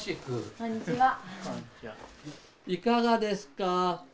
いかがですか？